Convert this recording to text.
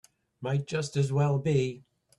Might just as well be.